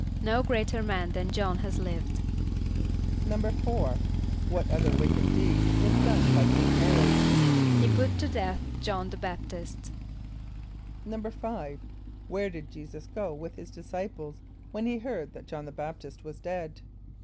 ="No greater man than J[)o]hn has lived."= =4.= What other wicked deed was done by King H[)e]r´od? =He put to death J[)o]hn the B[)a]p´t[)i]st.= =5.= Where did J[=e]´[s+]us go with his disciples, when he heard that J[)o]hn the B[)a]p´t[)i]st was dead?